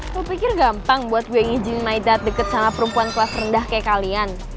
aku pikir gampang buat gue yang izin my that deket sama perempuan kelas rendah kayak kalian